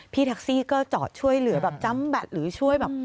พี่แท็กซี่ก็จอดช่วยหรือจั๊มแบตหรือช่วย